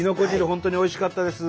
本当においしかったです。